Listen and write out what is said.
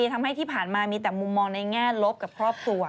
ทำให้ที่ผ่านมามีแต่มุมมองในแง่ลบกับครอบครัว